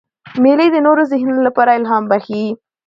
مېلې د نوو ذهنونو له پاره الهام بخښي.